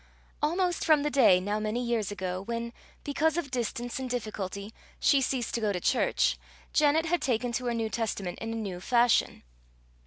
Almost from the day, now many years ago, when, because of distance and difficulty, she ceased to go to church, Janet had taken to her New Testament in a new fashion.